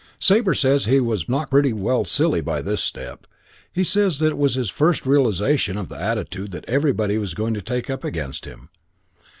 "Sabre says he was knocked pretty well silly by this step. He says it was his first realisation of the attitude that everybody was going to take up against him.